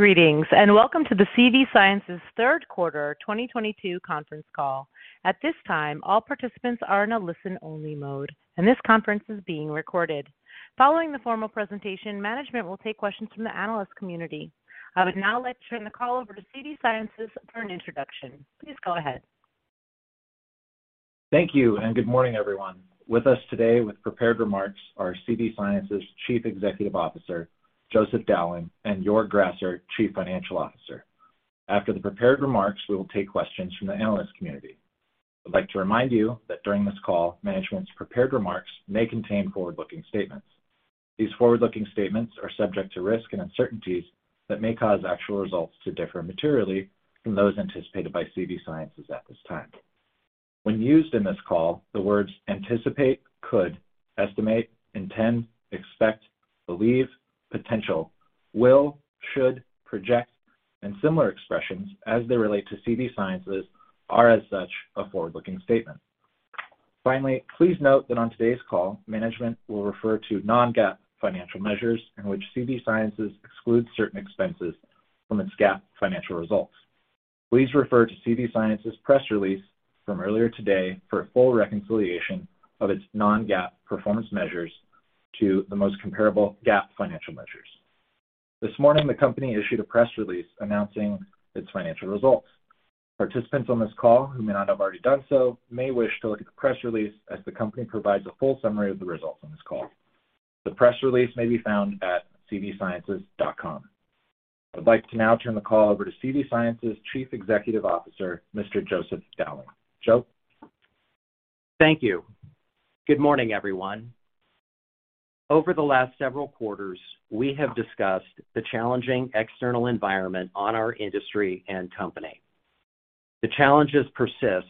Greetings, and welcome to the CV Sciences third quarter 2022 Conference Call. At this time, all participants are in a listen-only mode, and this conference is being recorded. Following the formal presentation, management will take questions from the analyst community. I would now like to turn the call over to CV Sciences for an introduction. Please go ahead. Thank you, and good morning, everyone. With us today with prepared remarks are CV Sciences' Chief Executive Officer, Joseph Dowling, and Joerg Grasser, Chief Financial Officer. After the prepared remarks, we will take questions from the analyst community. I'd like to remind you that during this call, management's prepared remarks may contain forward-looking statements. These forward-looking statements are subject to risks and uncertainties that may cause actual results to differ materially from those anticipated by CV Sciences at this time. When used in this call, the words anticipate, could, estimate, intend, expect, believe, potential, will, should, project, and similar expressions as they relate to CV Sciences are as such a forward-looking statement. Finally, please note that on today's call, management will refer to non-GAAP financial measures in which CV Sciences excludes certain expenses from its GAAP financial results. Please refer to CV Sciences' press release from earlier today for a full reconciliation of its non-GAAP performance measures to the most comparable GAAP financial measures. This morning, the company issued a press release announcing its financial results. Participants on this call who may not have already done so may wish to look at the press release as the company provides a full summary of the results on this call. The press release may be found at cvsciences.com. I'd like to now turn the call over to CV Sciences' Chief Executive Officer, Mr. Joseph Dowling. Joe? Thank you. Good morning, everyone. Over the last several quarters, we have discussed the challenging external environment on our industry and company. The challenges persist,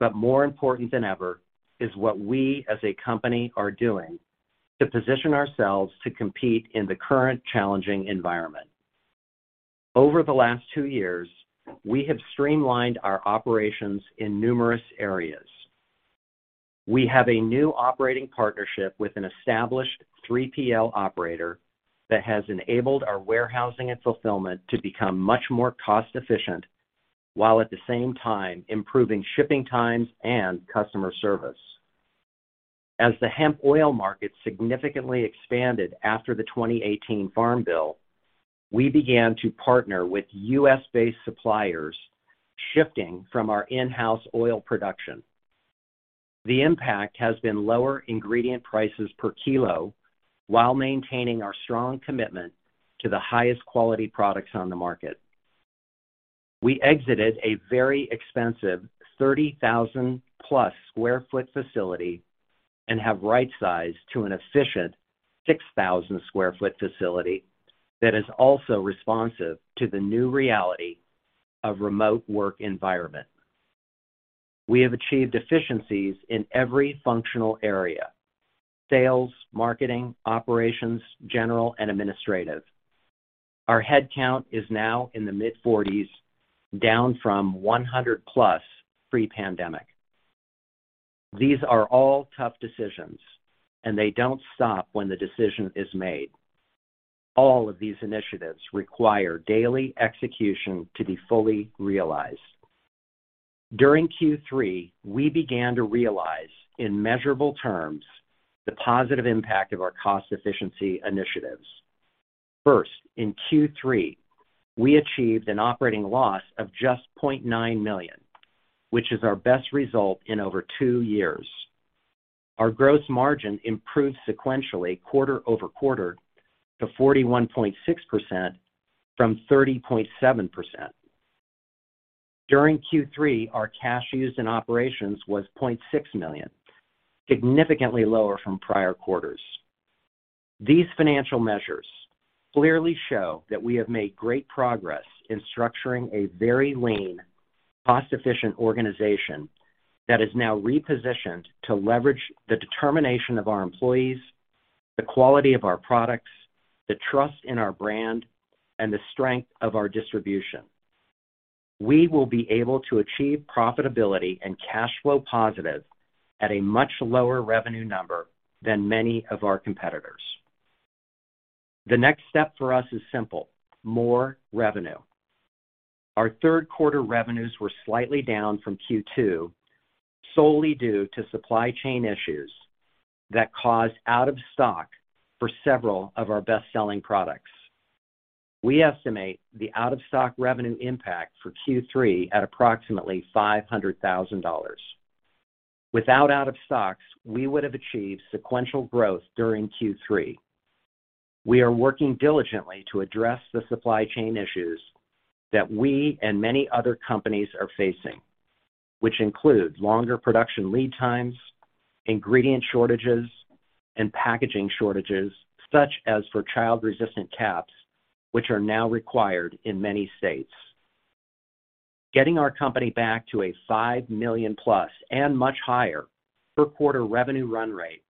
but more important than ever is what we as a company are doing to position ourselves to compete in the current challenging environment. Over the last two years, we have streamlined our operations in numerous areas. We have a new operating partnership with an established 3PL operator that has enabled our warehousing and fulfillment to become much more cost-efficient while at the same time improving shipping times and customer service. As the hemp oil market significantly expanded after the 2018 Farm Bill, we began to partner with U.S.-based suppliers, shifting from our in-house oil production. The impact has been lower ingredient prices per kilo while maintaining our strong commitment to the highest quality products on the market. We exited a very expensive 30,000+ sq ft facility and have right-sized to an efficient 6,000 sq ft facility that is also responsive to the new reality of remote work environment. We have achieved efficiencies in every functional area, sales, marketing, operations, general, and administrative. Our headcount is now in the mid-40s, down from 100+ pre-pandemic. These are all tough decisions, and they don't stop when the decision is made. All of these initiatives require daily execution to be fully realized. During Q3, we began to realize in measurable terms the positive impact of our cost efficiency initiatives. First, in Q3, we achieved an operating loss of just $0.9 million, which is our best result in over two years. Our gross margin improved sequentially quarter-over-quarter to 41.6% from 30.7%. During Q3, our cash used in operations was $0.6 million, significantly lower from prior quarters. These financial measures clearly show that we have made great progress in structuring a very lean, cost-efficient organization that is now repositioned to leverage the determination of our employees, the quality of our products, the trust in our brand, and the strength of our distribution. We will be able to achieve profitability and cash flow positive at a much lower revenue number than many of our competitors. The next step for us is simple: more revenue. Our third quarter revenues were slightly down from Q2, solely due to supply chain issues that caused out of stock for several of our best-selling products. We estimate the out of stock revenue impact for Q3 at approximately $500,000. Without out of stocks, we would have achieved sequential growth during Q3. We are working diligently to address the supply chain issues that we and many other companies are facing, which include longer production lead times, ingredient shortages, and packaging shortages such as for child-resistant caps, which are now required in many states. Getting our company back to a $5 million+ and much higher per quarter revenue run rate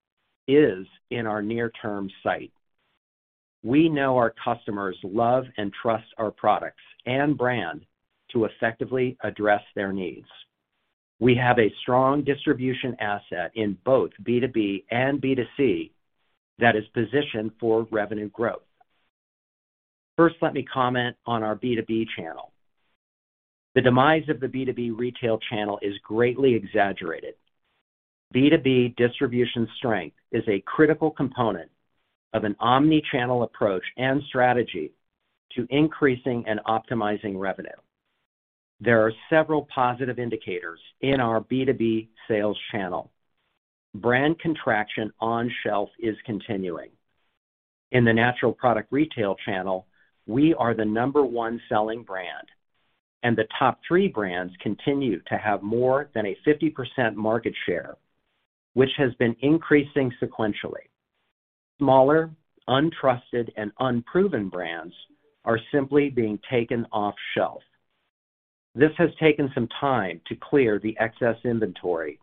is in our near-term sight. We know our customers love and trust our products and brand to effectively address their needs. We have a strong distribution asset in both B2B and B2C that is positioned for revenue growth. First, let me comment on our B2B channel. The demise of the B2B retail channel is greatly exaggerated. B2B distribution strength is a critical component of an omni-channel approach and strategy to increasing and optimizing revenue. There are several positive indicators in our B2B sales channel. Brand contraction on shelf is continuing. In the natural product retail channel, we are the number one selling brand, and the top three brands continue to have more than 50% market share, which has been increasing sequentially. Smaller, untrusted, and unproven brands are simply being taken off shelf. This has taken some time to clear the excess inventory,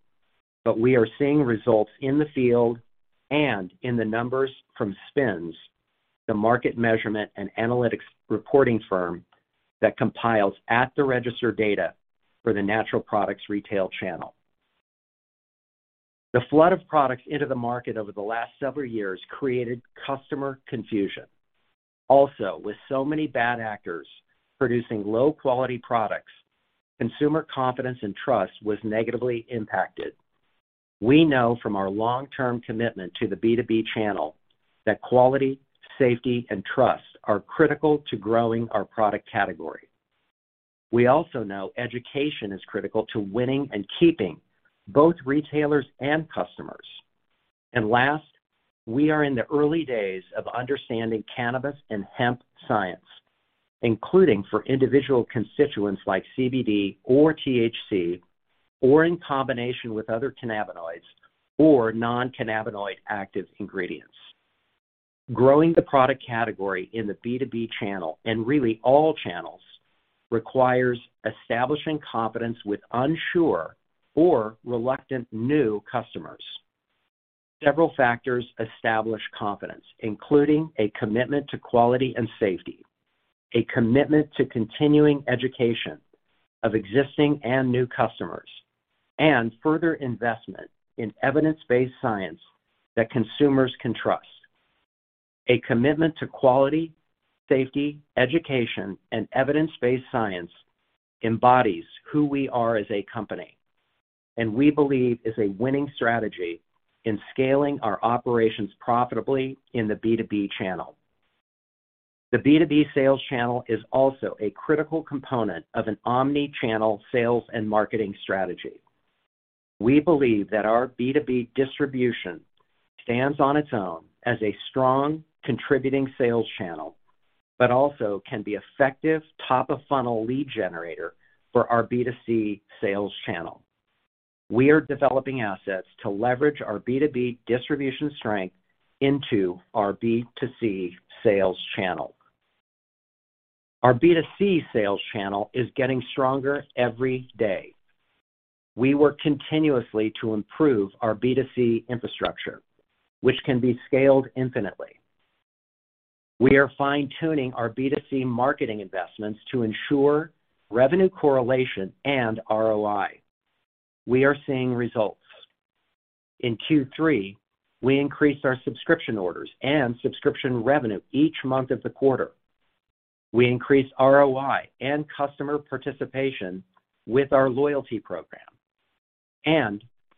but we are seeing results in the field and in the numbers from SPINS, the market measurement and analytics reporting firm that compiles at-the-register data for the natural products retail channel. The flood of products into the market over the last several years created customer confusion. Also, with so many bad actors producing low-quality products, consumer confidence and trust was negatively impacted. We know from our long-term commitment to the B2B channel that quality, safety, and trust are critical to growing our product category. We also know education is critical to winning and keeping both retailers and customers. Last, we are in the early days of understanding cannabis and hemp science, including for individual constituents like CBD or THC, or in combination with other cannabinoids or non-cannabinoid active ingredients. Growing the product category in the B2B channel, and really all channels, requires establishing confidence with unsure or reluctant new customers. Several factors establish confidence, including a commitment to quality and safety, a commitment to continuing education of existing and new customers, and further investment in evidence-based science that consumers can trust. A commitment to quality, safety, education, and evidence-based science embodies who we are as a company. We believe is a winning strategy in scaling our operations profitably in the B2B channel. The B2B sales channel is also a critical component of an omni-channel sales and marketing strategy. We believe that our B2B distribution stands on its own as a strong contributing sales channel, but also can be effective top-of-funnel lead generator for our B2C sales channel. We are developing assets to leverage our B2B distribution strength into our B2C sales channel. Our B2C sales channel is getting stronger every day. We work continuously to improve our B2C infrastructure, which can be scaled infinitely. We are fine-tuning our B2C marketing investments to ensure revenue correlation and ROI. We are seeing results. In Q3, we increased our subscription orders and subscription revenue each month of the quarter. We increased ROI and customer participation with our loyalty program.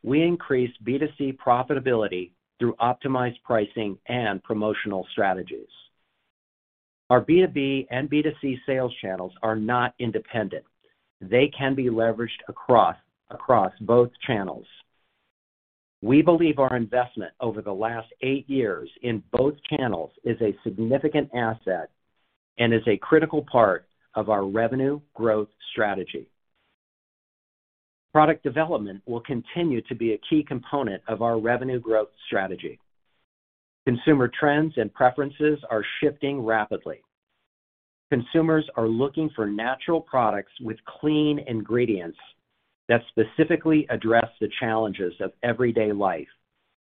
We increased B2C profitability through optimized pricing and promotional strategies. Our B2B and B2C sales channels are not independent. They can be leveraged across both channels. We believe our investment over the last eight years in both channels is a significant asset and is a critical part of our revenue growth strategy. Product development will continue to be a key component of our revenue growth strategy. Consumer trends and preferences are shifting rapidly. Consumers are looking for natural products with clean ingredients that specifically address the challenges of everyday life,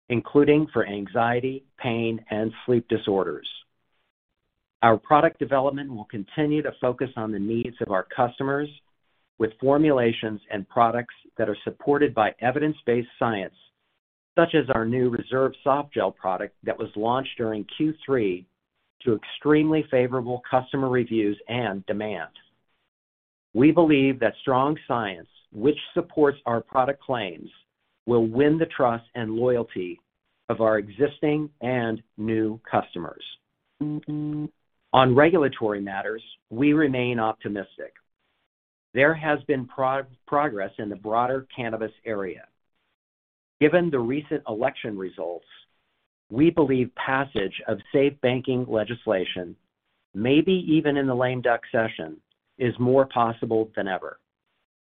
including for anxiety, pain, and sleep disorders. Our product development will continue to focus on the needs of our customers with formulations and products that are supported by evidence-based science, such as our new Reserve Softgel product that was launched during Q3 to extremely favorable customer reviews and demand. We believe that strong science, which supports our product claims, will win the trust and loyalty of our existing and new customers. On regulatory matters, we remain optimistic. There has been progress in the broader cannabis area. Given the recent election results, we believe passage of SAFE Banking Act, maybe even in the lame duck session, is more possible than ever.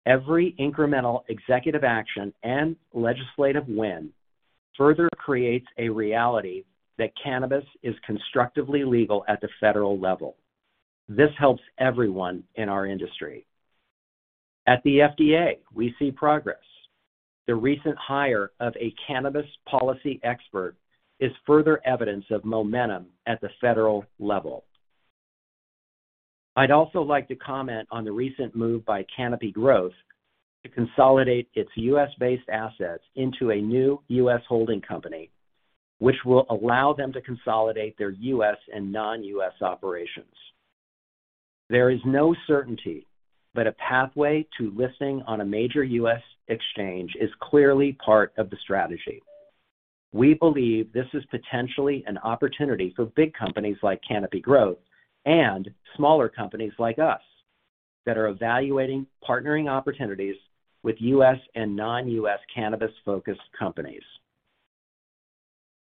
Every incremental executive action and legislative win further creates a reality that cannabis is constructively legal at the federal level. This helps everyone in our industry. At the FDA, we see progress. The recent hire of a cannabis policy expert is further evidence of momentum at the federal level. I'd also like to comment on the recent move by Canopy Growth to consolidate its U.S.-based assets into a new U.S. holding company, which will allow them to consolidate their U.S. and non-U.S. operations. There is no certainty, but a pathway to listing on a major U.S. exchange is clearly part of the strategy. We believe this is potentially an opportunity for big companies like Canopy Growth and smaller companies like us that are evaluating partnering opportunities with U.S. and non U.S. cannabis-focused companies.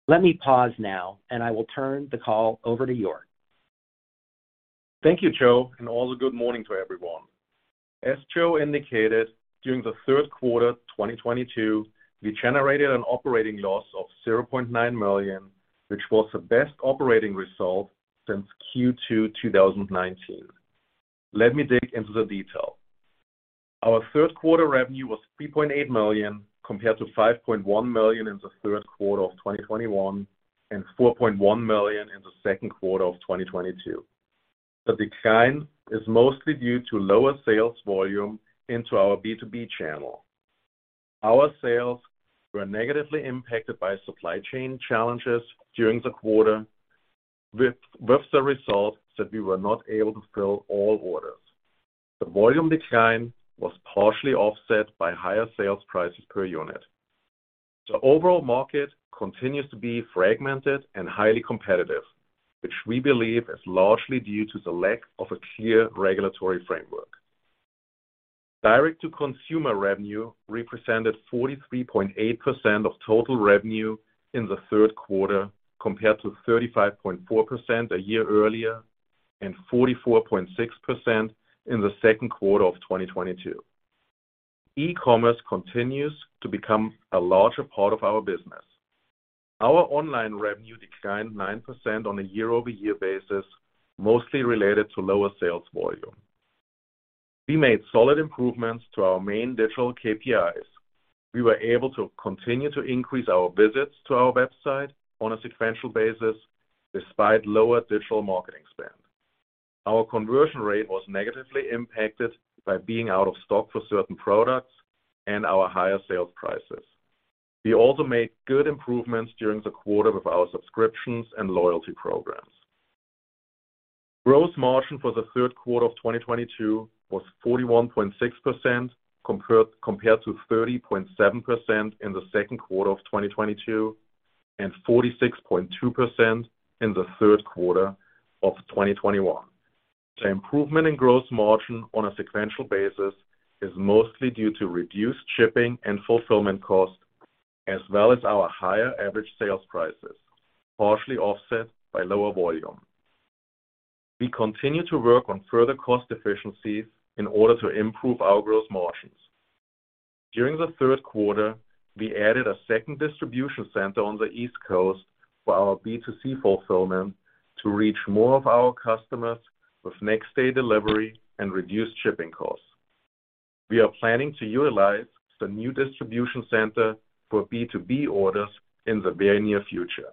Let me pause now, and I will turn the call over to Joerg. Thank you, Joe, and good morning to everyone. As Joe indicated, during the third quarter of 2022, we generated an operating loss of $0.9 million, which was the best operating result since Q2 2019. Let me dig into the detail. Our third quarter revenue was $3.8 million, compared to $5.1 million in the third quarter of 2021 and $4.1 million in the second quarter of 2022. The decline is mostly due to lower sales volume into our B2B channel. Our sales were negatively impacted by supply chain challenges during the quarter with the result that we were not able to fill all orders. The volume decline was partially offset by higher sales prices per unit. The overall market continues to be fragmented and highly competitive, which we believe is largely due to the lack of a clear regulatory framework. Direct-to-consumer revenue represented 43.8% of total revenue in the third quarter, compared to 35.4% a year earlier and 44.6% in the second quarter of 2022. E-commerce continues to become a larger part of our business. Our online revenue declined 9% on a year-over-year basis, mostly related to lower sales volume. We made solid improvements to our main digital KPIs. We were able to continue to increase our visits to our website on a sequential basis despite lower digital marketing spend. Our conversion rate was negatively impacted by being out of stock for certain products and our higher sales prices. We also made good improvements during the quarter with our subscriptions and loyalty programs. Gross margin for the third quarter of 2022 was 41.6% compared to 30.7% in the second quarter of 2022, and 46.2% in the third quarter of 2021. The improvement in gross margin on a sequential basis is mostly due to reduced shipping and fulfillment costs, as well as our higher average sales prices, partially offset by lower volume. We continue to work on further cost efficiencies in order to improve our gross margins. During the third quarter, we added a second distribution center on the East Coast for our B2C fulfillment to reach more of our customers with next-day delivery and reduced shipping costs. We are planning to utilize the new distribution center for B2B orders in the very near future.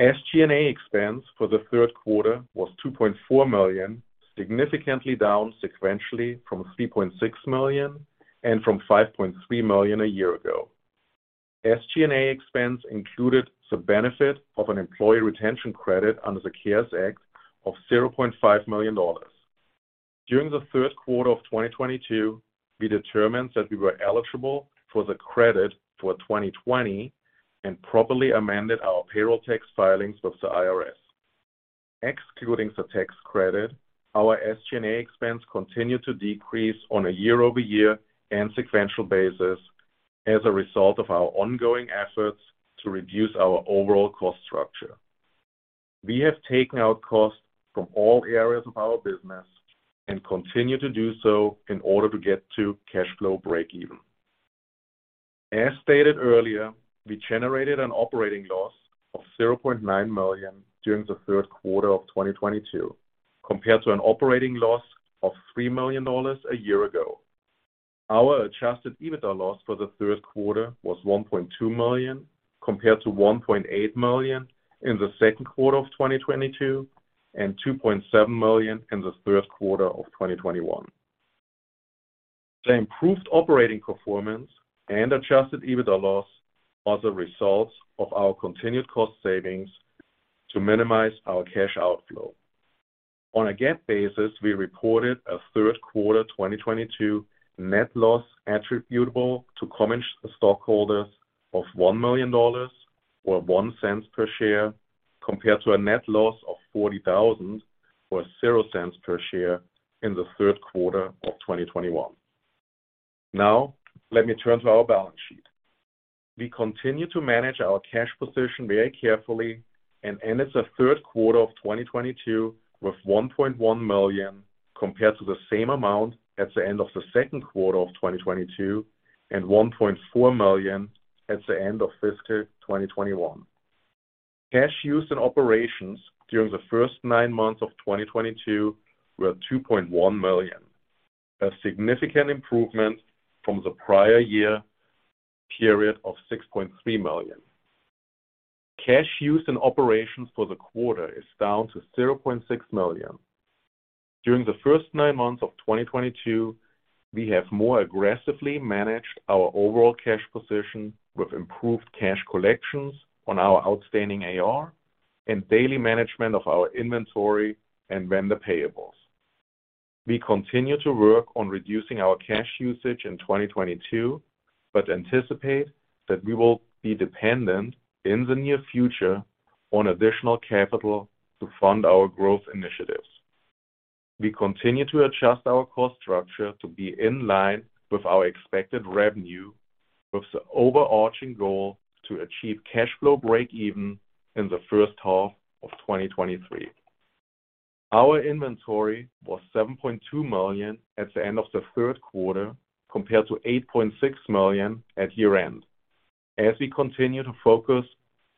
SG&A expense for the third quarter was $2.4 million, significantly down sequentially from $3.6 million and from $5.3 million a year ago. SG&A expense included the benefit of an employee retention credit under the CARES Act of $0.5 million. During the third quarter of 2022, we determined that we were eligible for the credit for 2020 and properly amended our payroll tax filings with the IRS. Excluding the tax credit, our SG&A expense continued to decrease on a year-over-year and sequential basis as a result of our ongoing efforts to reduce our overall cost structure. We have taken out costs from all areas of our business and continue to do so in order to get to cash flow break even. As stated earlier, we generated an operating loss of $0.9 million during the third quarter of 2022, compared to an operating loss of $3 million a year ago. Our adjusted EBITDA loss for the third quarter was $1.2 million, compared to $1.8 million in the second quarter of 2022 and $2.7 million in the third quarter of 2021. The improved operating performance and adjusted EBITDA loss are the results of our continued cost savings to minimize our cash outflow. On a GAAP basis, we reported a third quarter of 2022 net loss attributable to common stockholders of $1 million, or $0.01 per share, compared to a net loss of $40,000, or $0.00 per share in the third quarter of 2021. Now, let me turn to our balance sheet. We continue to manage our cash position very carefully and ended the third quarter of 2022 with $1.1 million, compared to the same amount at the end of the second quarter of 2022 and $1.4 million at the end of fiscal 2021. Cash use in operations during the first nine months of 2022 were $2.1 million, a significant improvement from the prior year period of $6.3 million. Cash use in operations for the quarter is down to $0.6 million. During the first nine months of 2022, we have more aggressively managed our overall cash position with improved cash collections on our outstanding AR and daily management of our inventory and vendor payables. We continue to work on reducing our cash usage in 2022, but anticipate that we will be dependent in the near future on additional capital to fund our growth initiatives. We continue to adjust our cost structure to be in line with our expected revenue, with the overarching goal to achieve cash flow break even in the first half of 2023. Our inventory was $7.2 million at the end of the third quarter compared to $8.6 million at year-end, as we continue to focus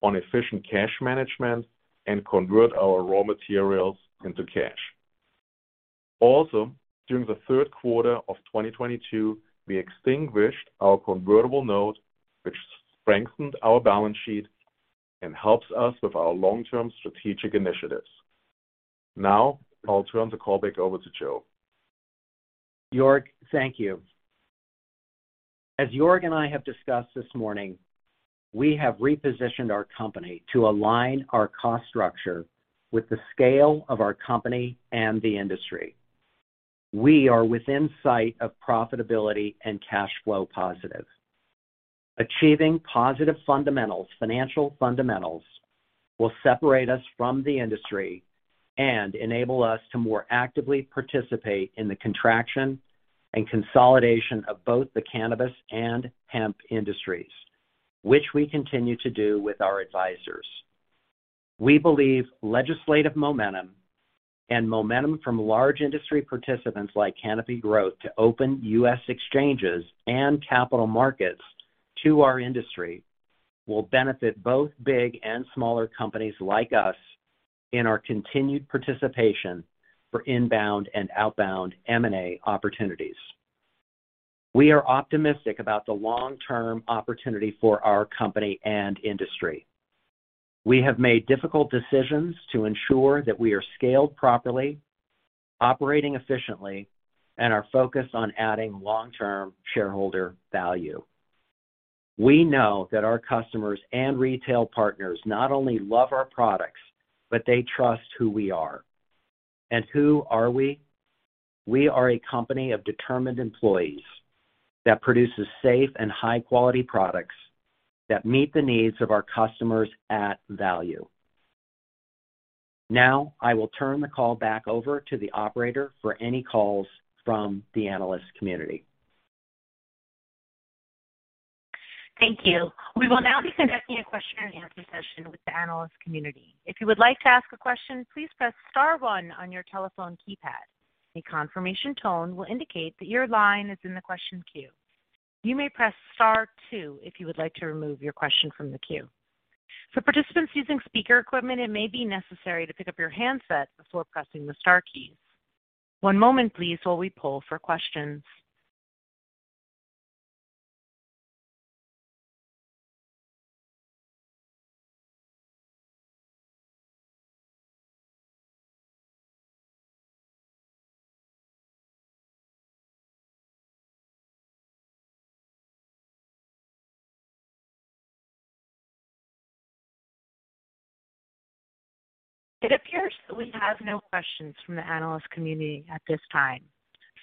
on efficient cash management and convert our raw materials into cash. Also, during the third quarter of 2022, we extinguished our convertible note, which strengthened our balance sheet and helps us with our long-term strategic initiatives. Now I'll turn the call back over to Joe. Joerg, thank you. As Joerg and I have discussed this morning, we have repositioned our company to align our cost structure with the scale of our company and the industry. We are within sight of profitability and cash flow positive. Achieving positive fundamentals, financial fundamentals, will separate us from the industry and enable us to more actively participate in the contraction and consolidation of both the cannabis and hemp industries, which we continue to do with our advisors. We believe legislative momentum and momentum from large industry participants like Canopy Growth to open U.S. exchanges and capital markets to our industry will benefit both big and smaller companies like us in our continued participation for inbound and outbound M&A opportunities. We are optimistic about the long-term opportunity for our company and industry. We have made difficult decisions to ensure that we are scaled properly, operating efficiently, and are focused on adding long-term shareholder value. We know that our customers and retail partners not only love our products, but they trust who we are. Who are we? We are a company of determined employees that produces safe and high-quality products that meet the needs of our customers at value. Now I will turn the call back over to the operator for any calls from the analyst community. Thank you. We will now be conducting a question and answer session with the analyst community. If you would like to ask a question, please press star one on your telephone keypad. A confirmation tone will indicate that your line is in the question queue. You may press star two if you would like to remove your question from the queue. For participants using speaker equipment, it may be necessary to pick up your handset before pressing the star keys. One moment please while we poll for questions. It appears that we have no questions from the analyst community at this time.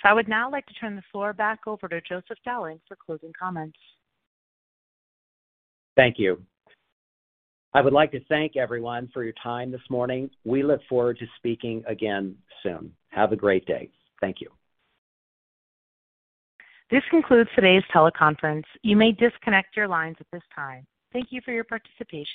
I would now like to turn the floor back over to Joseph Dowling for closing comments. Thank you. I would like to thank everyone for your time this morning. We look forward to speaking again soon. Have a great day. Thank you. This concludes today's teleconference. You may disconnect your lines at this time. Thank you for your participation.